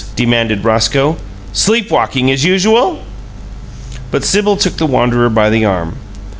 demanded Roscoe. "Sleep walking, as usual?" But Sibyl took the wanderer by the arm.